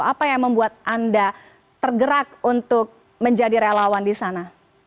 apa yang membuat anda tergerak untuk menjadi relawan di sana